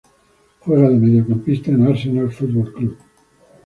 Juega de Mediocampista en Arsenal Fútbol Club.